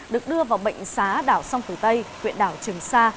được đưa vào bệnh xá đảo song tử tây huyện đảo trường sa